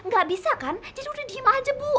gak bisa kan jadi udah diem aja bu